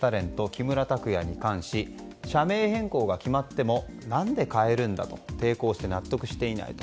木村拓哉に関し社名変更が決まっても何で変えるんだと抵抗して納得していないと。